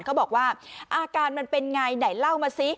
เขาบอกว่าอาการมันเป็นไงไหนเล่ามาซิ